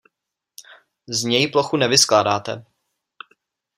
Z něj plochu nevyskládáte.